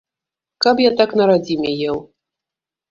Каб я так на радзіме еў.